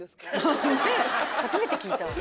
初めて聞いたわ。